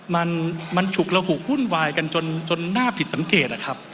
มันฉุกระหุกวุ่นวายกันจนน่าผิดสังเกตนะครับ